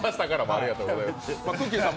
ありがとうございます。